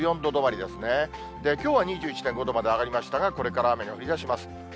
きょうは２１．５度まで上がりましたが、これから雨が降りだします。